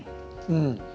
うん。